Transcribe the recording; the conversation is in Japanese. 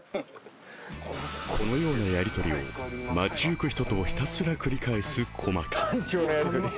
このようなやり取りを街ゆく人とひたすら繰り返す小牧